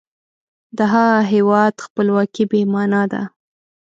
د هغه هیواد خپلواکي بې معنا ده.